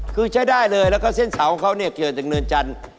คือใช้ได้เลยแล้วก็เส้นเสาเขาเนี่ยเกี่ยวจากเนินจันทร์